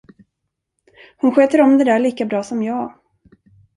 Hon sköter om det där lika bra som jag.